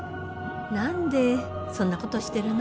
何でそんなことしてるの？